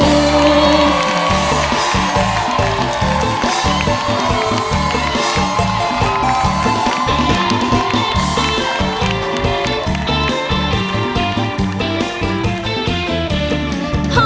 ขอบคุณค่ะ